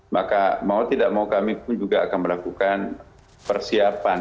maka mau tidak mau kami pun juga akan melakukan persiapan